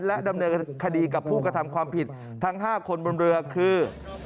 และดำเนินคดีกับผู้กระทำความผิดทั้ง๕คนบนเรือคือ